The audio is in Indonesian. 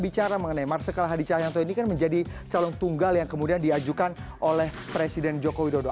bicara mengenai marsikal hadi cahyanto ini kan menjadi calon tunggal yang kemudian diajukan oleh presiden joko widodo